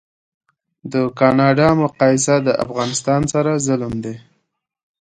د کانادا مقایسه د افغانستان سره ظلم دی